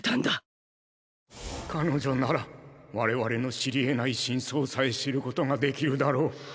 彼女なら我々の知り得ない真相さえ知ることができるだろう。